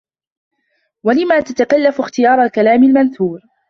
وَلَمْ تَتَكَلَّفْ اخْتِيَارَ الْكَلَامِ الْمَنْثُورِ